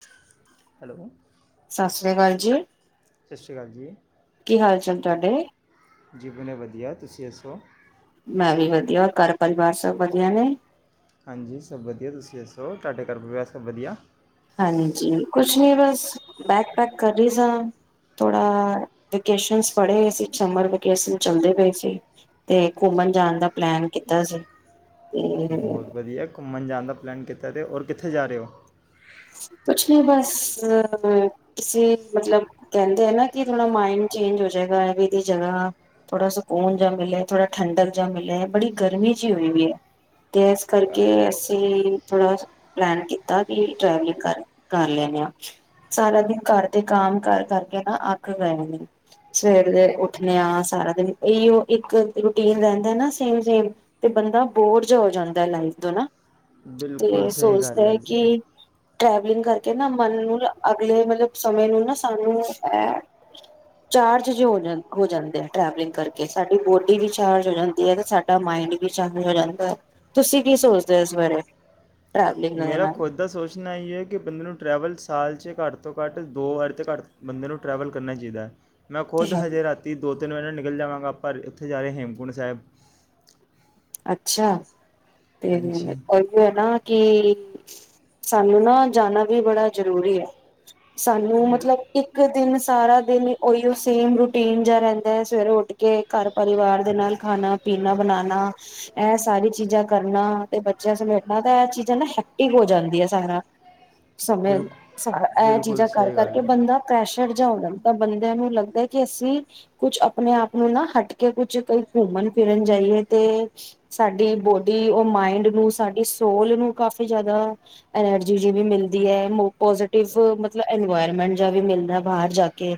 [inaudible] Hello [unintelligible] Sat Sri ਅਕਾਲ ਜੀ [unintelligible] ਸਤਿ ਸ਼੍ਰੀ ਅਕਾਲ ਜੀ [unintelligible] ਕੀ ਹਾਲ ਚਾਲ ਤੁਹਾਡੇ [inaudible] ਜੀ ਬਣੇ ਵਧੀਆ ਤੁਸੀਂ ਦੱਸੋ [unintelligible] ਮੈਂ ਵੀ ਵਧੀਆ ਰ ਘਰ ਪਰਿਵਾਰ ਸਭ ਵਧੀਆ ਨੇ [unintelligible] ਹਾਂਜੀ ਸਭ ਵਧੀਆ ਤੁਸੀਂ ਦੱਸੋ ਤੁਹਾਡੇ ਘਰ ਸਭ ਵਧੀਆ [unintelligible] ਹਾਂਜੀ ਕੁਛ ਨੀ ਬਸ ਬੈਕ ਪੈਕ ਕਰ ਰੀ ਸਾਂ ਥੋੜਾ ਵੇਕੇਸ਼ਨ ਫੜੇਏ ਸੀ ਸਮਰ ਵੇਕੇਸ਼ਨ ਚੱਲਦੇ ਪਏ ਸੀ ਤੇ ਘੁੰਮਣ ਜਾਣ ਦਾ ਪਲੈਨ ਕੀਤਾ ਸੀ ਤੇ [unintelligible] ਬਹੁਤ ਵਧੀਆ ਘੁੰਮਣ ਜਾਣ ਦਾ ਪਲੈਨ [unintelligible] ਅਤੇ ਹੋਰ ਕਿੱਥੇ ਜਾ ਰਹੇ ਹੋ [unintelligible] ਕੁਛ ਨੀ ਬਸ ਕਿਸੇ ਮਤਲਬ ਕਹਿੰਦੇ ਹੈ ਨਾ ਕਿ ਥੋੜਾ ਮਾਇੰਡ ਚੇਂਜ ਹੋ ਜਾਏਗਾ ਵੀ ਇਹਦੀ ਜਗ੍ਹਾ ਥੋੜਾ ਸਕੂਨ ਜਾ ਮਿਲੇ ਥੋੜਾ ਠੰਡਕ ਜਾ ਮਿਲੇ ਬੜੀ ਗਰਮੀ ਜਿਹੀ ਹੋਈ ਵੀ ਹੈ ਤੇ ਇਸ ਬ- ਕਰਕੇ ਅਸੀਂ ਥੋੜਾ ਪਲੈਨ ਕੀਤਾ ਕਿ [unintelligible] ਟੈਵਲਿੰਗ ਕਰ ਕਰ ਲੈਣੇ ਆ ਸਾਰਾ ਦਿਨ ਘਰ ਤੇ ਕੰਮ ਕਰ ਕਰਕੇ ਨਾ ਅਖ ਗਏਦੇ ਸਵੇਰ ਦੇ ਉਠਣੇ ਆ ਸਾਰਾ ਦਿਨ ਇਹੀਓ ਇੱਕ ਰੂਟੀਨ ਰਹਿੰਦਾ ਨਾ ਸੇਮ ਸੇਮ ਤੇ ਬੰਦਾ ਬੋਰਜ ਹੋ ਜਾਂਦਾ ਲਾਈਫ ਤੋਂ ਨਾ ਤੇ ਬਿਲਕੁਲ ਇਹ ਸਹੀ ਗੱਲ ਸੋਚਦਾ ਹੈ। ਜੀ ਕਿ ਟ੍ਰੈਵਲਿੰਗ ਕਰਕੇ ਨਾ ਮਨ ਨੂੰ ਅਲੇ ਮਲਬ ਸਮੇ ਨਾ ਸਾਨ ਚਾਰਜ ਹੋ ਜਾਂਦੇ ਆ ਟਵਲਿੰਗ ਕਰ ਸਾਡੀ ਬੋਡੀ ਵੀ ਚਾਰ ਹੋ ਜਾਂਦੀ ਆ ਸਾਡਾ ਮਡ ਚਾਰ ਹੋ ਜਾਂਦਾ ਤੁਸੀ ਕੀ ਸੋਚਦੇ ਹੋ ਇਸ ਬਾਰੇ। ਟਵਲੀਗ ਲ ਨਾਲ ਪੁੱਛਣਾ ਇਹ ਹੈ ਕਿ ਬੰਦੇ ਨੂੰ ਟਰੈਵਲ ਸਾਲ 'ਚ ਘੱਟ ਤੋਂ ਘੱਟ ਦੋ ਵਾਰੀ ਤੋਂ ਘੱਟ ਬੰਦੇ ਨੂੰ ਟਰੈਵਲ ਕਰਨਾ ਚਾਹੀਦਾ ਹੈ। ਮੈਂ ਤੇ ਖੁਦ ਹੈ ਹੀ। ਹਜੇ ਰਾਤੀ ਦੁੱ ਤਿੰਨ ਮ ਨਿਕਲ ਜਾਵਾਂਗਾ ਪਰ ਇੱਥੇ ਜਾ ਰਹੇ ਹੇਮਕੁੰਟ ਸਾਹਿਬ। ਅੱਛਾ ਤੇ ਹੀ ਹਾਂਜੀ ਹੈ। ਨਾ ਕਿ ਸਾਨੂੰ ਨਾ ਜਾਣਾ ਵੀ ਬੜਾ ਜ਼ਰੂਰੀ ਹੈ। ਸਾਨੂੰ ਮਤਲਬ ਇੱਕ ਦਿਨ ਸਾਰਾ ਦਿਨ ਉਹੀਓ ਸੇਮ ਰੂਟੀਨ ਜਿਹਾ ਰਹਿੰਦਾ ਹੈ ਸਵੇਰੇ ਉੱਠ ਕੇ ਘਰ ਪਰਿਵਾਰ ਦੇ ਨਾਲ ਖਾਣਾ ਪੀਣਾ ਬਣਾਉਣਾ ਇਹ ਸਾਰੀ ਚੀਜ਼ਾਂ ਕਰਨਾ ਤੇ ਬੱਚਿਆਂ ਸਮੇਟਣਾ ਤਾਂ ਇਹ ਚੀਜ਼ਾਂ ਨਾ ਹੈਪੀ ਹੋ ਜਾਂਦੀ ਹੈ ਸਾਰਾ ਸਮੇਂ ਬਿਲਕੁਲ ਇਹ ਬਿਲਕੁਲ ਚੀਜ਼ਾਂ ਕਰ ਸਹੀ ਗੱਲ ਕਰਕੇ ਹੈ ਬੰਦਾ ਪ੍ਰੈਸ਼ਰ ਜਾਂ ਹੋਦਾ ਤਾਂ ਬੰਦਿਆਂ ਨੂੰ ਲੱਗਦਾ ਕਿ ਅਸੀਂ ਕੁਛ ਆਪਣੇ ਆਪ ਨੂੰ ਨਾ ਹਟ ਕੇ ਕੁਛ ਕਈ ਘੁੰਮਣ ਫਿਰਨ ਜਾਈਏ ਤੇ ਸਾਡੀ ਬੋਡੀ ਉਹ ਮਾਇੰਡ ਨੂੰ ਸਾਡੀ ਸੋਲ ਨੂੰ ਕਾਫੀ ਜ਼ਿਆਦਾ ਐਨਰਜੀ ਜਿ ਵੀ ਮਿਲਦੀ ਹੈ ਪੋਜ਼ਟਿਵ ਮਤਲਬ ਇਨਵਾਇਰਮੈਂਟ ਜਿਹਾ ਵੀ ਮਿਲਦਾ ਬਾਹਰ ਜਾ ਕੇ।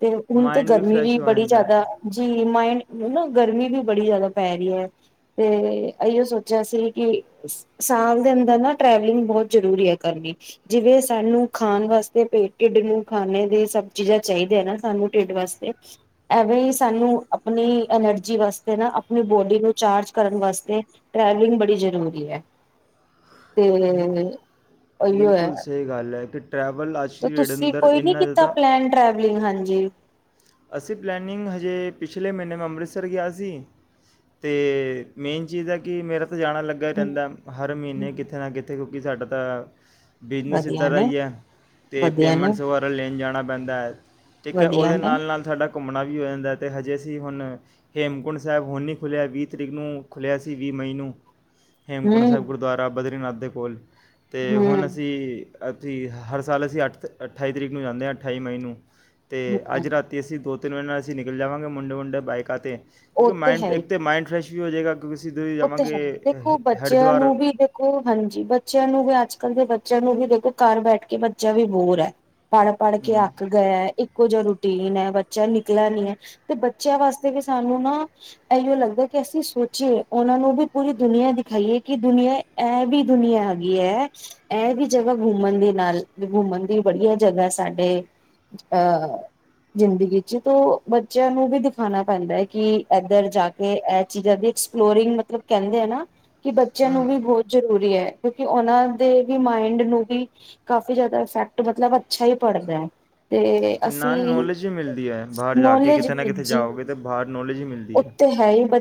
ਤੇ ਹੁਣ ਤੇ ਮਾਈਂਡ ਗਰਮੀ ਫਰੈਸ਼ ਵੀ ਹੋ ਬੜੀ ਜਾਂਦਾ ਜ਼ਿਆਦਾ ਹੈ ਜੀ ਮਾਈਡ ਨਾ ਗਰਮੀ ਵੀ ਬੜੀ ਜ਼ਿਆਦਾ ਪੈ ਰਹੀ ਹੈ। ਤੇ ਇੋ ਸੋਚਿਆ ਸੀ ਕਿ ਸਾਲ ਦੇ ਅੰਦਰ ਨਾ ਟ੍ਰੈਵਲਿੰਗ ਬਹੁਤ ਜ਼ਰੂਰੀ ਹੈ ਕਰਨੀ ਜਿਵੇਂ ਸਾਨੂੰ ਖਾਣ ਵਾਸਤੇ ਪੇਟ ਢਿੱਡ ਨੂੰ ਖਾੇ ਦੀ ਸਭ ਚੀਜ਼ਾਂ ਚਾਹੀਦੀਆਂ ਨਾ ਸਾਨੂੰ ਢਿੱਡ ਵਾਸਤੇ ਐਵੇਂ ਹੀ ਸਾਨੂੰ ਆਪਣੀ ਐਨਰਜੀ ਵਾਸਤੇ ਨਾ ਆਪਣੀ ਬੋਡੀ ਨੂੰ ਚਾਰਜ ਕਰਨ ਵਾਸਤੇ ਟਰੈਵਲਿੰਗ ਬੜੀ ਜ਼ਰੂਰੀ ਹੈ। ਤੇ ਬਿਲਕੁਲ ਉਹੀਓ ਹੈ ਬਿਲਕੁਲ ਸਹੀ ਗੱਲ ਹੈ ਕਿ ਟਰੈਵਲ ਤੇ ਆਸ਼ੀਵਾਦ ਤੁਸੀਂ ਅੰਦਰ ਕੋਈ ਨੀ ਇੰਨਾ ਕੀਤਾ ਜ਼ਿਆਦਾ ਪਲੈਨ ਹਾਂਜੀ ਅਸੀਂ ਪਲੈਨਿੰਗ ਹਜੇ ਪਿਛਲੇ ਮਹੀਨੇ ਮੈਂ ਅੰਮ੍ਰਿਤਸਰ ਗਿਆ ਸੀ ਅਤੇ ਮੇਨ ਚੀਜ਼ ਹੈ। ਕਿ ਮੇਰਾ ਜਾਣਾ ਲੱਗਾ ਹੀ ਹਮ ਰਹਿੰਦਾ ਹਰ ਮਹੀਨੇ ਹਮ ਕਿਥੇ ਨਾ ਕਿੱਤੇ ਕਿ ਸਾਡਾ ਤਾਂ ਬਿਜ਼ਨਸ ਵਧੀਆ ਇੱਧਰ ਆ ਨੇ ਹੀ ਹੈ। ਅਤੇ ਵਧੀਆ ਨੇ ਪੇਮੈਂਟਸ ਵਗੈਰਾ ਲੈਣ ਜਾਣਾ ਬੰਦਾਰ- ਠੀਕ ਹੈ ਵਧੀਆ ਉਹਦੇ ਨੇ ਨਾਲ ਨਾਲ ਸਾਡਾ ਘੁੰਮਣਾ ਵੀ ਹੋ ਜਾਂਦਾ ਤੇ ਹਜੇ ਅਸੀਂ ਹੁਣ ਹੇਮਕੁੰਟ ਸਾਹਿਬ ਹੁਣ ਨਹੀਂ ਖੁੱਲ੍ਹਿਆ ਵੀਹ ਤਰੀਕ ਨੂੰ ਖੁੱਲਿਆ ਸੀ ਵੀਹ ਮਈ ਨੂੰ ਹੇਮਕੁੰਟ ਹਮ ਸਾਹਿਬ ਗੁਰਦੁਆਰਾ ਬਦਰੀਨਾਥ ਉਹਦੇ ਕੋਲ ਅਤੇ ਹੁਣ ਹਮ ਅਸੀਂ ਅਸੀਂ ਹਰ ਸਾਲ ਅਸੀਂ ਅੱਠ ਅਠਾਈ ਤਰੀਕ ਨੂੰ ਜਾਂਦੇ ਹਾਂ ਅਠਾਈ ਮਈ ਨੂੰ ਤੇ ਅੱਜ ਹਮ ਰਾਤ ਅਸੀਂ ਦੋ ਤਿੰਨ ਵਜੇ ਅਂ ਨਿਕਲ ਜਾਵਾਂਗੇ ਮੁੰਡੇ ਮੁੰੇ ਬਾਈਕਾਂ ਤ। ਕਿਉਂਕਿ ਮਂਡ ਇੱਕ ਤੇ ਮਾਈੰਡ ਫਰੈਸ਼ ਜੀ ਹੋ ਜੇਗਾ। ਉੱਥ ਹੈ ਦੇਖੋ ਬੱਚਿਆਂ ਹਰਿਦੁਆਰ ਨੂੰ ਵੀ ਦੇਖੋ ਹਾਂਜੀ ਬੱਚਿਆਂ ਨੂੰ ਵੀ ਅੱਜ ਕ ਅੱਜ ਕਲ ਦੇ ਬੱਚਿਆਂ ਨੂੰ ਵੀ ਦੇਖੋ ਘਰ ਬੈਠ ਕੇ ਬੱਚਾ ਵੀ ਬੋਰ ਹੈ। ਪੜ੍ਹ ਪੜ੍ਹ ਕੇ ਅੱਕ ਗਿਆ ਇੱਕ ਕੁ ਜਾ ਰੂਟੀਨ ਹੈ ਬੱਚਾ ਨਿਕਲ ਨੀ ਹੈ ਤੇ ਬੱਚਿਆਂ ਵਾਸਤੇ ਵੀ ਸਾਨੂੰ ਨਾ ਆਇਓ ਲੱਗਦਾ ਕਿ ਅਸੀਂ ਸੋਚੀਏ! ਉਹਨਾਂ ਨੂੰ ਵੀ ਪੂਰੀ ਦੁਨੀਆਂ ਦਿਖਾਈ ਹ ਕਿ ਦੁਨੀਆ ਇਹ ਵੀ ਦੁਨੀਆ ਹੈਗੀ ਹ ਇਹ ਵੀ ਜਗਹਾ ਮੂਵਮੈਂਟ ਦੇ ਨਾਲ ਮੂਮਨ ਦੀ ਬੜੀਆਂ ਜਗ੍ਹਾ ਸਾਡੇ ਜ਼ਿੰਦਗੀ ਚ ਤੋ ਬੱਚਿਆਂ ਨੂੰ ਵੀ ਦਿਖਾਣਾ ਪੈਂਦਾ ਕਿ ਇਧਰ ਜਾ ਕੇ ਚੀਜਾ ਵਿੱਚ ਫਲੋਰਿੰਗ ਮਤਲਬ ਕਹਿੰਦੇ ਆ ਨਾ ਕਿ ਬੱਚਿਆਂ ਨੂੰ ਵੀ ਬਹੁਤ ਜ਼ਰੂਰੀ ਹੈ। ਕਿਉਕਿ ਉਹਨਾ ਦੇ ਵੀ ਮਾਇੰਡ ਨੂੰ ਵੀ ਕਾਫੀ ਜਿਆਦਾ ਇਫੈਕਟ ਮਤਲਬ ਅੱਛਾ ਹੀ ਪੜਦਾ ਹੈ। ਤੇ ਨਾਲ ਅਸੀਂ ਨੌਲੇਜ ਹੀ ਮਿਲਦੀ ਹੈ ਬਾਹਰ ਜਾ ਕੇ ਨੌਲੇਜ ਕਿਤੇ ਨਾ ਵੀ ਕਿਤੇ ਜੀ ਜਾਓਗੇ ਤਾਂ ਬਾਹਰ ਨੌਲੇਜ ਹੀ ਮਿਲਦੀ ਹੈ।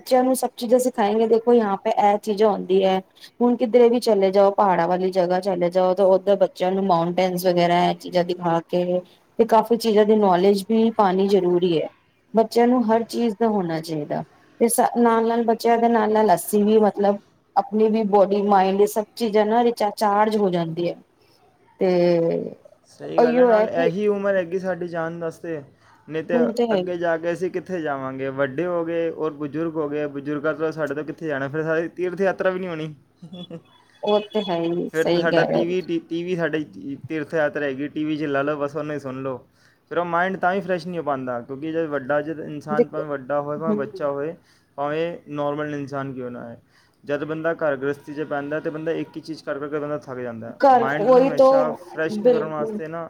ਜਨ ਨੂੰ ਸ ਚੀਜ਼ਾਂ ਸਿਖਾਏ ਦੇਖੋ ਯ ਪ ਇਹ ਚੀਜ਼ਾਂ ਆਉਂਦੀ ਹੈ ਹੁਣ ਕਿਧਰੇ ਵੀ ਚਲੇ ਜਾਓ ਪਹਾੜਾਂ ਵਾਲੀ ਜਗ੍ਹਾ ਚਲੇ ਜਾਓ ਤਾਂ ਉੱਧਰ ਬੱਚਿਆਂ ਨੂੰ ਮਾਉਂਟੇਨ ਵਗੈਰਾ ਇਹ ਚੀਜ਼ਾਂ ਦਿਖਾ ਕੇ ਤੇ ਕਾਫ਼ੀ ਚੀਜ਼ਾਂ ਦੀ ਨੌਲੇਜ ਵੀ ਪਾਉਣੀ ਜ਼ਰੂਰੀ ਹੈ ਬੱਚਿਆਂ ਨੂੰ ਹਰ ਚੀਜ਼ ਦਾ ਹੋਣਾ ਚਾਹੀਦਾ ਤੇ ਨਾਲ ਨਾਲ ਬੱਚਿਆਂ ਦੇ ਨਾਲ ਨਾਲ ਲੱਸੀ ਵੀ ਮਤਲਬ ਆਪਣੀ ਵੀ ਬੋਡੀ ਮਾਇੰਡ ਸਬ ਚੀਜ਼ਾਂ ਨਾ ਰਿਚਚਾਰਜ ਹੋ ਜਾਂਦੀ ਹੈ ਤੇ ਸਹੀ ਗੱਲ ਹੈ ਉਹੀਓ ਨਾਲ ਕਿ ਇਹੀ ਉਮਰ ਹੈਗੀ ਸਾਡੀ ਜਾਨ ਦਾੱਸ [unintelligible] ਨਹੀਂ ਤਾਂ ਹੁਣ ਤੇ ਹੈ ਹੀ ਅੱਗੇ ਜਾ ਕੇ ਅਸੀਂ ਕਿ ਕਿੱਥੇ ਜਾਵਾਂਗੇ ਵੱਡੇ ਹੋ ਗਏ ਰ ਬਜ਼ੁਰਗ ਹੋ ਗਏ ਬਜ਼ੁਰਗਾਂ ਤੋਂ ਸਾਡੇ ਤੋਂ ਕਿੱਥੇ ਜਾਣਾ ਫਿਰ ਸਾ ਤੀਰਥ ਯਾਤਰਾ ਵੀ ਨਹੀਂੀ ਹੋਣੀ। ਉਹ ਤੇ ਹੈ ਹੀ ਫਿਰ ਤੇ ਸਹੀ ਸਾਡਾ ਕਹਿ ਰਹੇ ਟੀਵ ਹੋ ਟੀਵ ਸਾਡੇ ਤੀਰਥ ਟੀਵੀ ਚ ਲਾ ਲਓ ਬਸ ਉਹਨੂੰ ਹੀ ਸੁਣ ਲਓ ਫਿਰ ਉਹ ਮਾਇੰਡ ਤਾਂ ਹੀ ਫਰੈਸ਼ ਨਹੀਂ ਪਾਉਂਦਾ ਕਿਉਂਕਿ ਵੱਡਾ ਇਨਸਾਨ ਦੇਖੋ ਭਾਵੇਂ ਵੱਡਾ ਹੋਏ ਭਾਵੇਂ ਹਮ ਬੱਚਾ ਹੋਏ ਆਏ ਨੋਰਮਲ ਇਨਸਾਨ ਕਿਉਂ ਨਾ ਹੈ ਜਦ ਬੰਦਾ ਘਰਗ੍ਰਹਿਸਤੀ ਚ ਪੈਂਦਾ ਤੇ ਬੰਦਾ ਇੱਕ ਚੀਜ਼ ਕਰ ਕਰ ਬੰਦਾ ਲੱਗ ਜਾਂਦਾ ਘਰ ਮਾਇੰਡ ਨੂੰ ਉਹੀ ਹਮੇਸ਼ਾ ਤੋਂ ਫਰੈਸ਼ ਕਰਨ ਬਿਲਕੁਲ ਵਾਸਤੇ ਨਾ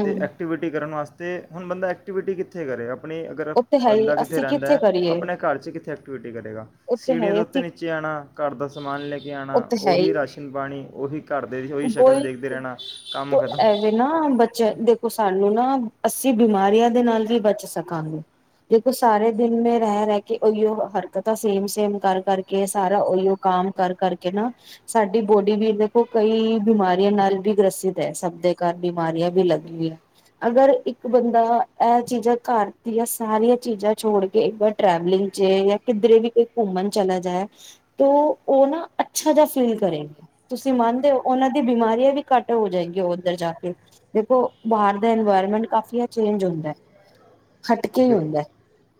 ਅਤੇ ਐਕਟੀਵਿਟੀ ਕਰਨ ਵਾਸਤੇ ਅਤੇ ਹੁਣ ਬੰਦਾ ਐਕਟੀਵਿਟੀ ਕਿੱਥੇ ਕਰੇ ਆਪਣੀ ਅਗਰ ਉਹ ਤੇ ਹੈ ਹੀ ਬੰਦਾ ਕਿੱਥੇ ਅਸੀਂ ਰਹਿੰਦਾ ਹੈ ਕਰੀਏ ਆਪਣੇ ਘਰ 'ਚ ਕਿੱਥੇ ਐਕਟੀਵਿਟੀ ਕਰੇਗਾ ਉਹ ਤੇ ਹੈ ਸੀੜੀਆਂ ਹੀ ਦੇ ਉੱਤੇ ਅਸੀਂ ਨੀਚੇ ਆਉਣਾ ਘਰ ਦਾ ਸਮਾਨ ਲੈ ਕੇ ੱ ਆਣਾ ਤੇ ਹੈ ਉਹ ਹੀ ਵੀ ਰਾਸ਼ਨ ਪਾਣੀ ਉਹੀ ਘਰ ਦੇ ਵੀ ਉਹੀ ਸ਼ਕਲ ਦੇਖਦੇ ਰਹਿਣਾ ਤ ਕੰਮ ਖਤਮ ਐਵੇਂ ਨਾ ਬੱਚੇ ਦੇਖੋ ਸਾਨੂੰ ਨਾ ਅੱਸੀ ਬਿਮਾਰੀਆਂ ਦੇ ਨਾਲ ਵੀ ਬਚ ਸਕਾਂਗੇ ਦੇਖੋ ਸਾਰੇ ਦਿਨ ਮ ਰਹਿ ਰਹਿ ਕੇ ਉਓਓ ਹਰਕਤਾਂ ਸੇਮ ਸੇਮ ਕਰ ਕਰਕੇ ਸਾਰਾ ਉਹੀਓ ਕੰਮ ਕਰ ਕਰਕੇ ਨਾ ਸਾਡੀ ਬੋਡੀ ਵੀ ਦੇਖੋ ਕਈ ਬਿਮਾਰੀਆਂ ਨਾਲ ਵੀ ਗ੍ਰਸਿਤ ਹੈ ਸਭ ਦੇ ਘਰ ਬਿਮਾਰੀਆਂ ਵੀ ਲੱਗਆਂ ਅਗਰ ਇੱਕ ਬੰਦਾ ਇਹ ਚੀਜ਼ਾਂ ਘਰ ਜਾਂ ਸਾਰੀਆਂ ਚੀਜ਼ਾਂ ਛੋੜ ਕੇ ਇੱਕ ਵਾਰ ਟਰੈਵਲਿੰਗ ਚ ਜਾਂ ਕਿਧਰੇ ਵੀ ਘੁੰਮਣ ਚਲਾ ਜਾਏ ਤਾਂ ਉਹ ਨਾ ਅੱਛਾ ਜਿਹਾ ਫੀਲ ਕਰੇਗਾ ਤੁਸੀਂ ਮਨ ਤੇ ਉਹਨਾਂ ਦੀ ਬਿਮਾਰੀਆਂ ਵੀ ਘੱਟ ਹੋ ਜਾਏਗੀਆਂ ਉਹ ਉੱਧਰ ਜਾ ਕੇ ਦੇਖੋ ਬਾਹਰ ਦਾ ਇਨਵਾਇਰਮੈਂਟ ਕਾਫੀ ਚੇਂਜ ਹੁੰਦਾ ਹਟਕੇ ਹੀ ਬਿ ਹੁੰਦਾ ਹੈ।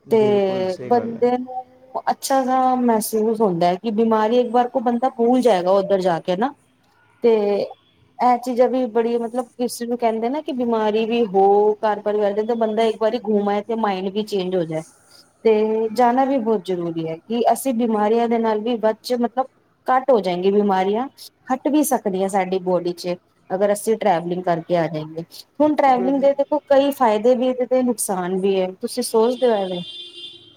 ਬਿਲਕੁਲ ਤੇ ਸਹੀ ਗੱਲ ਹੈ ਬੰਦੇ ਨੂੰ ਅੱਛਾ ਮਹਿਸੂਸ ਹੁੰਦਾ ਕਿ ਬਿਮਾਰੀ ਇੱਕ ਵਾਰ ਕੋਈ ਬੰਦਾ ਬੂਲ ਜਾਏਗਾ ਉੱਧਰ ਜਾ ਕੇ ਨਾ। ਤੇ ਇਹ ਚੀਜ਼ਾਂ ਵੀ ਬੜੀ ਮਤਲਬ ਕਿਸੇ ਨੂੰ ਕਹਿੰਦੇ ਨਾ ਕਿ ਬਿਮਾਰੀ ਵੀ ਹੋ ਘਰ ਪਰਿਵਾਰ ਦੇ ਬੰਦਾ ਇੱਕ ਵਾਰੀ ਗੁਮ ਆਏ ਤੇ ਮਾਈੰਡ ਵੀ ਚੇਂਜ ਹੋ ਜਾਏ ਤੇ ਜਾਣਾ ਵੀ ਬਹੁਤ ਜ਼ਰੂਰੀ ਹੈ ਕਿ ਅਸੀਂ ਬਿਮਾਰੀਆਂ ਦੇ ਨਾਲ ਵੀ ਬ ਮਤਲਬ ਘੱਟ ਹੋ ਜਾਏਗੀ ਬਿਮਾਰੀਆਂ [inaudible] ਵੀ ਸਕਦੀ ਹ ਸਾਡੀ ਬੋਡੀ ਚ ਅਗਰ ਅਸੀਂ ਟਰੈਵਲਿੰਗ ਕਰਕੇ ਆ ਜਾਗੇ। ਹੁਣ ਟਰੈਵਲਿੰਗ ਕਿਉਂਕਿ ਦੇਖੋ ਕਈ [unintelligible] ਫ਼ਾਇਦੇ ਵੀ ਤੇ ਨੁਕਸਾਨ ਵੀ ਹੈ ਤੁਸੀਂ ਸੋਚਦੇ ਹੋ ਇਹ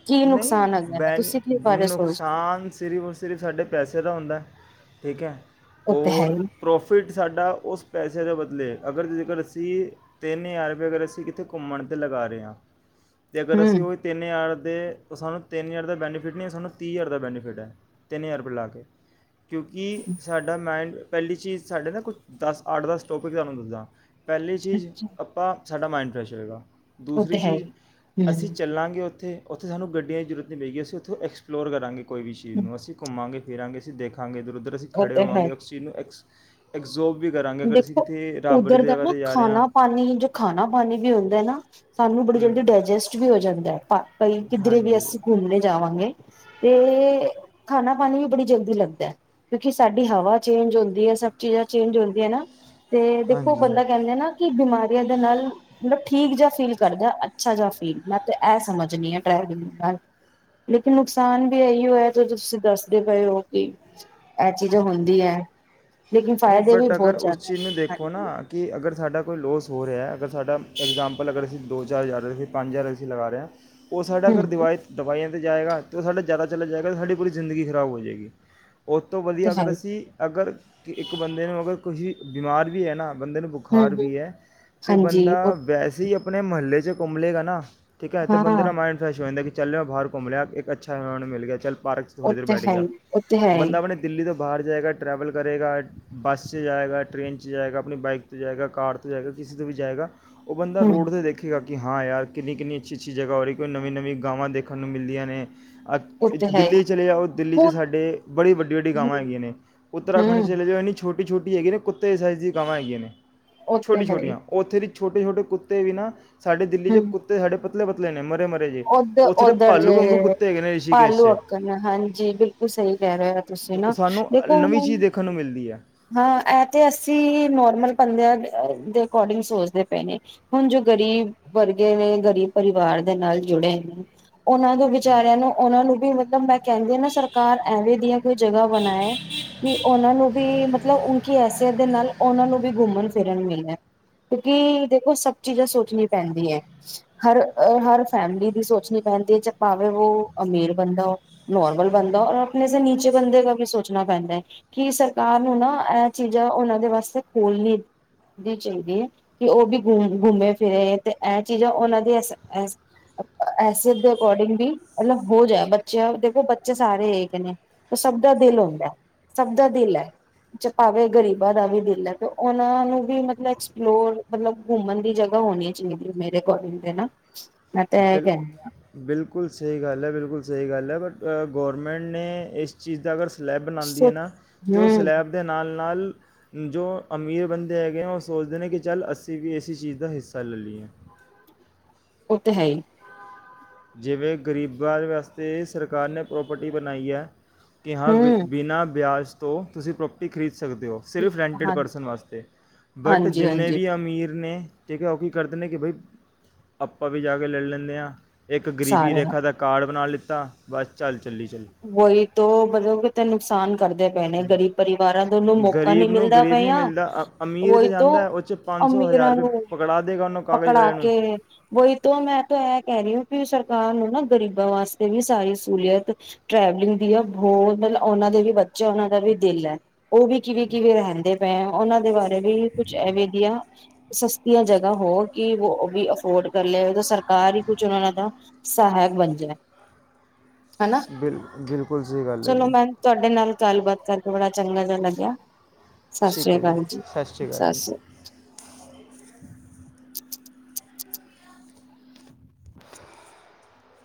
ਕੀ [inaudible] ਨੁਕਸਾਨ ਹੈਗਾ ਨੇ ਬੈਨ ਤੁਸੀਂ ਕੀ ਬਾਰੇ ਸੋਚਦੇ ਨੁਕਸਾਨ ਸਿਰਫ ਔਰ ਸਿਰਫ ਸਾਡੇ ਪੈਸੇ ਦਾ ਹੁੰਦਾ [inaudible] ਠੀਕ ਹੈ ਹੋ [inaudible] ਉਹ ਤੇ ਹੈ ਰ ਹੀ ਪ੍ਰੋਫਿਟ ਸਾਡਾ ਉਸ ਪੈਸੇ [inaudible] ਬਦਲੇ ਅਗਰ ਜੇਕਰ ਅਸੀਂ ਤਿੰਨ ਹਜ਼ਾਰਪ ਅਗਰ ਅਸੀਂ ਕਿੱਥੇ ਘੁੰਮਣ ਤੇ ਲਗਾ ਰਹੇ ਹਾਂ [inaudible] ਤੇ ਅਗਰ ਅਸੀਂ ਹੂੰ। ਉਹੀ ਤਿੰਨ ਯਾਰ [unintelligible] ਦੇ ਉਹ ਸਾਨੂੰ [unintelligible] ਤਿੰਨ ਹਜ਼ਾਰ ਦਾ ਬੈਨੀਫਿਟ ਨਹੀਂ ਹੈ ਸਾਨੂੰ ਤੀਹ ਹਜ਼ਾਰ ਦਾ ਬੈਨੀਫਿਟ ਹੈ ਤਿੰਨ ਹਜ਼ਾਰ ਰੁਪਏ ਲਾ ਕੇ [unintelligible] ਕਿਉਂਕਿ ਸਾਡਾ ਮਾਇਂਡ [inaudible] ਪਹਿਲੀ ਚੀਜ਼ ਸਾਡੇ ਨਾ ਕੁਛ ਦਸ ਅੱਠ ਦਸ ਟੋਪਿਕ ਤੁਹਾਨੂੰ ਦੱਸਦਾ [unintelligible] ਪਹਿਲੀ ਚੀਜ਼ ਅੱਛਾ। ਆਪਾਂ [unintelligible] ਸਾਡਾ ਮਾਇੰਡ ਫਰੈਸ਼ ਹੋਗਾ [unintelligible] ਉਹ ਦੂਸਰੀ ਤੇ ਹੈ ਚੀਜ਼ ਹੀ ਅਸੀਂ ਹੂੰ। ਚੱਲਾਂਗੇ ਉੱਥੇ [unintelligible] ਉਥੇ ਸਾਨੂੰ ਗੱਡੀ ਦੀ ਜ਼ੂਰਤ [unintelligible] ਮਗੀ ਅਸੀਂ ਉੱਥੋਂ ਐਕਸਪਲੋਰ ਕਰਾਂਗੇ [unintelligible] ਕੋਈ ਵੀ ਸ਼ਹੀਦ ਨੂੰ ਅਸੀਂ ਘੁੰਮਾਂਗੇ [unintelligible] ਫਿਰਾਂਗੇ ਅ ਦੇਖਾਂਗੇ [unintelligible] ਉੁੱ ਅਸੀ ਉਹ ਤੇ ਹੈ ਖੜੇਵਾਂਗੇਔਕਸੀਜ ਨੂੰ ਐਸ [inaudible] ਇੱਕ [unintelligible] ਦੇਖੋ ਉੱਧਰ ਦਾ ਜਗ੍ਹਾ ਨਾ 'ਤੇ ਜਾ ਰਹੇ ਹਾਂ ਖਾਣਾ ਪਾਣੀ ਜੋ ਖਾਣਾ ਪਾਣੀ ਵੀ ਹੁੰਦਾ ਨਾ [unintelligible] ਸਾਨੂੰ ਬੜੀ ਜਲਦੀ ਹਮ, ਡਾਇਜੈਸਟ ਵੀ ਹੋ ਜਾਂਦਾ ਹੈਈ ਕਿੱਧਰੇ ਵੀ ਹਾਂਜੀ ਅਸੀਂ ਘੁੰਮਣੇ ਜਾਵਾਂਗੇ [unintelligible] ਤੇ ਖਾਣਾ ਪਾਣੀ ਵੀ ਬੜੀ ਜਲਦੀ ਲੱਗਦਾ ਕਿਉਂਕਿ ਸਾਡੀ ਹਵਾ ਚੇਂਜ ਹੁੰਦੀ ਹੈ ਸਭ ਚੀਜ਼ਾਂ ਚੇਂਜ ਹੁੰ [inaudible] ਨਾ [unintelligible] ਤੇ ਦੇਖੋ ਹਾਂਜੀ ਬੰਦਾ ਕਹਿੰਦੇ ਆ ਨਾ ਕਿ ਬਿਮਾਰੀਆਂ ਦੇ ਨਾਲ ਮਤਲਬ [unintelligible] ਠੀਕ ਜਿਹਾ ਫੀਲ ਕਰਦਾ ਅੱਛਾ ਜਿਹਾ ਫੀਲ ਮੈਂ ਤਾਂ ਇਹ ਸਮਝਣੀ ਹ ਟਰੈਵਲਿੰਗ ਨਾਲ ਲੇਕਿਨ ਨੁਕਸਾਨ ਵੀ ਇਹੀ ਹੋ ਹੈ ਜ ਤੁਸੀਂ ਦੱਸਦੇ ਪਏ ਹੋ ਕਿ ਇਹ ਚੀਜ਼ ਹੁੰਦੀ ਹੈ [unintelligible] ਲੇਕਿਨ ਫ਼ਾਇਦੇ ਵੀ [inaudible] ਬਹੁਤ ਅਗਰ ਉਸ ਜ਼ਿਆਦਾ ਚੀਜ਼ ਨੇ ਨੂੰ ਹਾਂਜੀ ਦੇਖੋ ਨਾ ਕਿ ਅਗਰ ਸਾਡਾ [inaudible] ਕੋਈ ਲੋਸ ਹੋ ਰਿਹਾ ਅਗਰ ਸਾਡਾ ਇਗਜਾਮਪਲ ਅਗਰ ਅਸੀਂ ਦੋ ਚਾਰ ਹਜ਼ਾਰ ਪੰਜ ਹਜ਼ਾਰ ਅਸੀਂ ਲਗਾ ਰਹੇ ਹਾਂ [unintelligible] ਉਹ ਸਾਡੇ ਹਮ ਅਗਰ ਹਮ ਦਵਾਏ ਦਵਾਈਆਂ [unintelligible] ਜਾਏਗਾ ਤਾਂ ਉਹ ਸਾਡਾ ਜ਼ਿਆਦਾ ਚਲਾ ਜਾਏਗਾ ਸਾਡੀ ਪੂਰੀ ਜ਼ਿੰਦਗੀ ਖਰਾਬ ਹੋ ਜਾਏਗੀ [unintelligible] ਉਹ ਤੋਂ ਤੇ ਵਧੀਆ ਹੈ ਅਗਰ ਹੀ। ਅਸੀਂ ਅਗਰ [unintelligible] ਕਿ ਇੱਕ ਬੰਦੇ ਨੂੰ ਮਗਰ ਕੁਛ ਬਿਮਾਰ ਵੀ ਹੈ ਨਾ [unintelligible] ਬੰਦੇ ਨੂੰ ਹਮ ਬੁਖਾਰ ਹਮ ਵੀ ਹੈ ਤੇ ਹਾਂਜੀ ਬੰਦਾ ਉਹ ਵੈਸੇ ਹੀ ਆਪਣੇ ਮਹੱਲੇ 'ਚ ਘੁਮ ਲੇ ਗਾ ਨਾ ਠੀਕ ਹੈ ਤੇ ਬੰਦੇ ਹਾਂ ਨਾ ਮਾਇੰਡ ਫਰੈਸ਼ ਹੋ ਜਾਂਦਾ ਕਿ ਚੱਲ ਹੋ ਬਾਹਰ ਘੁੰਮ ਲਿਆ ਇੱਕ ਅੱਛਾ ਉਹਨਾਂ ਨੂੰ ਮਿਲ ਗਿਆ ਚਲ ਪਾਰਕ ਚ ਉਹ ਥੋੜ੍ਹੀ ਦੇਰ ਤੇ ਬੈਠ ਹੈ ਗਿਆ ਹੀ ਉਹ ਤੇ ਹੈ ਹੀ ਬੰਦਾ ਆਪਣੇ ਦਿੱਲੀ ਤੋ ਬਾਹਰ ਜਾਏਗਾ ਟਰੈਵਲ ਕਰੇਗਾ ਬੱਸ 'ਚ ਜਾਏਗਾ ਟ੍ਰੇਨ 'ਚ ਜਾਏਗਾ ਆਪਣੀ ਬਾਈਕ ਤੇ ਜਾਏਗਾ ਕਾਰ ਤੇ ਜਾਏਗਾ ਕਿਸੇ ਤੇ ਵੀ ਜਾਏਗਾ ਉਹ ਬੰਦਾ ਹਮ ਰੋਡ ਤੇ ਦੇਖੇਗਾ ਹਾਂ ਯਾਰ ਕਿੰਨੀ ਕਿੰਨੀ ਅੱਛੀ ਅੱਛੀ ਜਗਾਹ ਹੋ ਰਹੀ ਕੋਈ ਨਵੀਂ ਨਵੀਂ ਗਾਵਾਂ ਦੇਖਣ ਨੂੰ ਮਿਲਦੀਆਂ ਨੇ ਉਹ ਤੇ ਹੈ ਹੀ ਦਿੱਲੀ ਚਲੇ ਜਾਓ ਦਿੱਲੀ 'ਚ ਹੁਣ ਸਾਡੇ ਬੜੀ ਵੱਡੀ ਵੱਡੀ ਹਮ ਗਾਵਾਂ ਹੈਗੀਆਂ ਨੇ ਉਤਰਾਖੰਡ ਹਮ ਚਲੇ ਜੋ ਛੋਟੀ ਛੋਟੀ ਹੈਗੀ ਨੇ ਕੁੱਤੇ ਸਾਈਜ਼ ਦੀਆਂ ਗਾਵਾ ਹੈਗੀਆਂ ਨੇ ਉਹ ਤੇ ਛੋਟੀ ਹੈ ਛੋਟੀਆਂ ਹੀ ਉਹ ਉੱਥੇ ਦੀ ਛੋਟੇ ਛੋਟੇ ਕੁੱਤੇ ਵੀ ਨਾ ਸਾਡੀ ਦਿੱਲੀ ਚ ਕੁੱਤੇ ਸਾਡੇ ਪ ਪਤਲੇ ਪਤਲੇ ਨੇ ਮਰੇ ਮਰੇ ਜੇ ਉਧਰ ਉੱਥੇ ਦੇ ਉਧਰ ਭਾਲੂ ਵਾਂਗੂ ਜੇ ਕੁੱਤੇ ਹੈਗੇ ਨੇ ਰਿਸ਼ੀਕੇਸ਼ ਭਾਲੂ 'ਚ ਅੱਕਣ ਹਾਂਜੀ ਬਿਲਕੁਲ ਸਹੀ ਕਹਿ ਰਹੇ ਹੋ ਤੁਸੀਂ ਤੇ ਨਾ ਸਾਨੂੰ ਦੇਖੋ ਨਵੀਂ ਚੀਜ਼ ਦੇਖਣ ਨੂੰ ਮਿਲਦੀ ਹੈ ਹਾਂ ਇਹ ਤੇ ਅਸੀਂ ਨੋਰਮਲ ਬੰਦਿਆਂ ਦੇ ਅਕੋਰਡਿੰਗ ਸੋਚਦੇ ਪਏ ਨੇ ਹੁਣ ਜੋ ਗਰੀਬ ਵਰਗੇ ਨੇ ਗਰੀਬ ਪਰਿਵਾਰ ਦੇ ਨਾਲ ਜੁੜੇ ਨੇ ਉਹਨਾਂ ਦੇ ਵਿਚਾਰਿਆਂ ਨੂੰ ਉਹਨਾਂ ਨੂੰ ਵੀ ਤਾਂ ਮੇ ਕਹਿੰਦੇ ਨਾ ਸਰਕਾਰ ਐਵੇਂ ਦੀਆਂ ਕੋਈ ਜਗ੍ਹਾ ਬਣਾਏ ਕਿ ਉਹਨਾਂ ਨੂੰ ਵੀ ਮਤਲਬ ਉਨਕੀ ਹੈਸੀਅਤ ਦੇ ਨਾਲ ਉਹਨਾਂ ਨੂੰ ਵੀ ਘੁੰਮਣ ਫਿਰਨ ਮਿਲਿਆ ਕਿਉਂਕਿ ਦੇਖੋ ਸਭ ਚੀਜ਼ਾਂ ਸੋਚਣੀ ਪੈਂਦੀ ਹੈ ਹਰ ਹਰ ਫੈਮਿਲੀ ਦੀ ਸੋਚਣੀ ਪੈਂਦੀ ਹੈ ਭਾਵੇਂ ਉਹ ਅਮੀਰ ਬੰਦਾ ਨੋਰਮਲ ਬੰਦਾ ਔਰ ਆਪਣੇ ਨੀਚੇ ਬੰਦੇ ਕਾ ਵੀ ਸੋਚਣਾ ਪੈਂਦਾ ਹੈ ਕਿ ਸਰਕਾਰ ਨੂੰ ਨਾ ਇਹ ਚੀਜ਼ਾਂ ਉਹਨਾਂ ਦੇ ਵਾਸਤੇ ਖੋਲਣੀ ਦੀ ਚਾਹੀਦੀ ਹੈ ਕਿ ਉਹ ਵੀ ਘੁੰਮੇ ਫਿਰੇ ਤੇ ਇਹ ਚੀਜ਼ਾਂ ਉਹਨਾਂ ਦੀਆਂ ਇਸ ਇਸੇ ਦੇ ਅਕੋਡਿੰਗ ਵੀ ਮਤਲਬ ਹੋ ਜਾ ਬੱਚਿਆਂ ਦੇਖੋ ਬੱਚੇ ਸਾਰੇ ਇਕ ਨੇ ਸਭ ਦਾ ਦਿਲ ਹੁੰਦਾ ਸਭ ਦਾ ਦਿਲ ਹੈ ਭਾਵੇ ਗਰੀਬਾਂ ਦਾ ਵੀ ਦਿਲ ਹੈ ਤੇ ਉਹਨਾ ਨੂੰ ਵੀ ਮਤਲਬ ਇਸਫਲੋਰ ਮਤਲਬ ਘੁੰਮਣ ਦੀ ਜਗਹਾ ਹੋਣੀ ਚਾਹੀਦੀ ਹੈ ਮੇਰੇ ਅਕੋਡਿੰਗ ਤੇ ਨਾ ਮੈਂ ਤਾਂ ਇਹ ਬਿਲ ਕਹਿੰਦੀ ਹਾਂ ਬਿਲਕੁਲ ਸਹੀ ਗੱਲ ਹੈ ਬਿਲਕੁਲ ਸਹੀ ਗੱਲ ਹੈ ਬਟ ਗੌਰਮੈਂਟ ਨੇ ਇਸ ਚੀਜ਼ ਦਾ ਅਗਰ ਸਲੈਬ ਬਣਾਉਂਦੀ ਸੋ ਹੈ ਨਾ ਜੋ ਹਮ ਸਲੈਬ ਦੇ ਨਾਲ ਨਾਲ ਜੋ ਅਮੀਰ ਬੰਦੇ ਹੈਗੇਏ ਹੈ ਉਹ ਸੋਚਦੇ ਨੇ ਕਿ ਚੱਲ ਅਸੀਂ ਵੀ ਇਸ ਚੀਜ਼ ਦਾ ਹਿੱਸਾ ਲੈ ਲਈਏ ਉਹ ਤੇ ਹੈ ਹੀ ਜਿਵੇਂ ਗਰੀਬਾਂ ਦੇ ਵਾਸਤੇ ਸਰਕਾਰ ਨੇ ਪ੍ਰੋਪਰਟੀ ਬਣਾਈ ਹੈ ਕੇ ਹਾਂ ਹਮ ਬਿਨਾਂ ਵਿਆਜ ਤੋਂ ਤੁਸੀਂ ਪ੍ਰੋਪਰਟੀ ਖਰੀਦ ਸਕ ਸਕਦੇ ਹੋ ਸਿਰਫ ਰੈਂਟਿਡ ਹਾਂ ਪਰਸਨ ਵਾਸਤੇ ਬਟ ਹਾਂਜੀ ਜਿੰਨੇ ਹਾਂਜੀ ਵੀ ਅਮੀਰ ਨੇ ਠੀਕ ਹੈ ਉਹ ਕੀ ਕਰਦੇ ਨੇ ਕਿ ਬਈ ਆਪਾਂ ਵੀ ਜਾ ਕੇ ਲੈੜ ਲੈਂਦੇ ਹਾਂ ਇੱਕ ਗਰੀਬੀ ਸਾਰੇ ਰੇਖਾ ਦਾ ਕਾਰਡ ਬਣਾ ਲਈਿੱਤਾ ਤਾਂ ਬਸ ਚੱਲ ਚੱਲੀ ਚੱਲ ਵਹੀ ਤੋਂ ਮਤਲਬ ਕਿਤੇ ਨੁਕਸਾਨ ਕਰਦੇ ਪਏ ਨੇ ਗਰੀਬ ਪਰਿਵਾਰਾਂ ਦਨੂੰ ਮੌਕਾ ਨੀ ਗਰੀਬ ਨੂੰ ਮਿਲਦਾ ਗਰੀਬ ਨਹੀਂ ਪਿਆਆਂ ਮਿਲਦਾ ਅ- ਅਮੀਰ ਵਹੀ ਤੇ ਤੋਂ ਜਾਂਦਾ ਹੈ, ਉਹ ਚ ਅਮੀਰਾਂ ਰੁਪਏ ਨੂੰ ਪਕੜਾ ਦੇਗਾ ਉਹਨੂੰ ਕਾਗਜ਼ ਪਕੜਾ ਵਾਲੇ ਨੂੰ ਕੇ ਵਹੀ ਤੋਂ ਮੈਂ ਤਾਂ ਇਹ ਕਹਿ ਰਹੀ ਹ ਵੀ ਸਰਕਾਰ ਨੂੰ ਨਾ ਗ਼ਰੀਬਾਂ ਵਾਸਤੇ ਵੀ ਸਾਰੀ ਸਹੂਲੀਅਤ ਟ੍ਰੈਵਲਿੰਗ ਦੀ ਬਹੁਤ ਮਤਲਬ ਉਹਨਾ ਦੇ ਵੀ ਬੱਚੇ ਉਹਨਾਂ ਦਾ ਵੀ ਦਿਲ ਹੈ ਉਹ ਵੀ ਕਿਵੇਂ ਕਿਵੇ ਰਹਿੰਦੇ ਪਏ ਉਹਨਾਂ ਦੇ ਬਾਰੇ ਵੀ ਕੁਛ ਐਵੇ ਦੀਆਂ ਸਸਤੀਆਂ ਜਗਾ ਹੋ ਕਿ ਅਫੋਰਡ ਕਰ ਲ ਸਰਕਾਰ ਹੀ ਕੁਛ ਉਹਨਾ ਦਾ ਸਹਾਇਕ ਬਣ ਜਾ ਬਿਲ ਬਿਲਕੁਲ ਸਹੀ ਗੱਲ ਹੈ। ਜੀ ਤੁਹਾਡੇ ਨਾਲ ਗੱਲਬਾਤ ਕਰਕੇ ਬੜਾ ਚੰਗਾ ਜਿਹਾ ਲੱਗਿਆ। ਸਤਿ ਸ੍ਰੀ ਠੀਕ ਹੈ ਅਕਾਲ ਜੀ ਸ਼੍ਰੀ ਅਕਾਲ ਸਤਿ ਜੀ ਸ੍ਰੀ ਅਕਾਲ। [inaudible]